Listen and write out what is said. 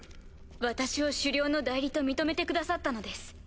私を首領の代理と認めてくださったのです。